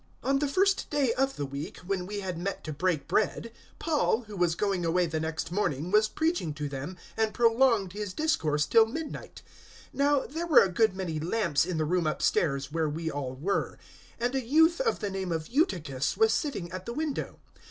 020:007 On the first day of the week, when we had met to break bread, Paul, who was going away the next morning, was preaching to them, and prolonged his discourse till midnight. 020:008 Now there were a good many lamps in the room upstairs where we all were, 020:009 and a youth of the name of Eutychus was sitting at the window.